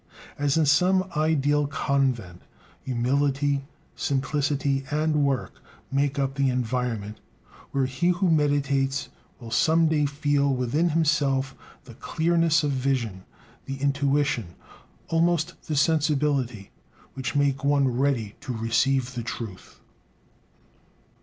As in some ideal convent, humility, simplicity, and work make up the environment where he who meditates will some day feel within himself the clearness of vision, the intuition, almost the sensibility, which make one ready to receive the truth.